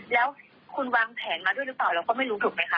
แล้วคุณวางแผนมาด้วยหรือเปล่าเราก็ไม่รู้ถูกไหมคะ